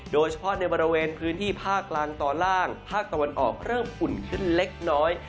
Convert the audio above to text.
โดยเฉพาะในบริเวณพื้นที่ภาคกลางตอนล่างภาคตะวันออกเริ่มอุ่นขึ้นเล็กน้อย